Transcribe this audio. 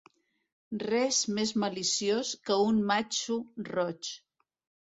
Res més maliciós que un matxo roig.